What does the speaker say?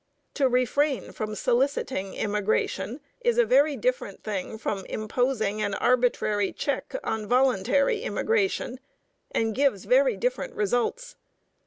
To refrain from soliciting immigration is a very different thing from imposing an arbitrary check on voluntary immigration, and gives very different results.